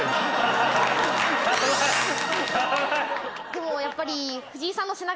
でもやっぱり。